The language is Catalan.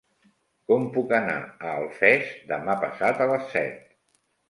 Com puc anar a Alfés demà passat a les set?